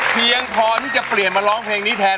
เพียงพอที่จะเปลี่ยนมาร้องเพลงนี้แทน